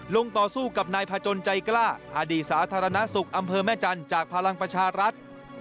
ต่อสู้กับนายพจนใจกล้าอดีตสาธารณสุขอำเภอแม่จันทร์จากพลังประชารัฐ